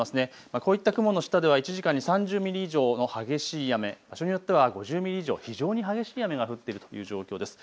こういった雲の下では１時間に３０ミリ以上の激しい雨、場所によっては５０ミリ以上、非常に激しい雨が降っているという状況です。